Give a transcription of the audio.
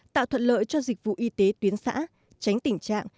tạo thuận lợi cho dịch vụ y tế tuyến xã